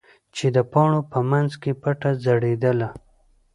چې د پاڼو په منځ کې پټه ځړېدله.